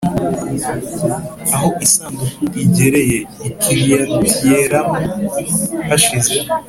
Aho isanduku igereye i Kiriyatiyeyarimu hashize